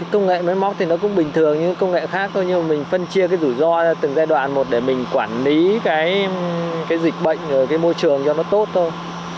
công nghệ máy móc thì nó cũng bình thường như những công nghệ khác thôi nhưng mà mình phân chia cái rủi ro cho từng giai đoạn một để mình quản lý cái dịch bệnh rồi cái môi trường cho nó tốt thôi